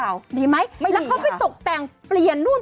ดีไหมแล้วเขาไปตกแต่งเปลี่ยนนู่น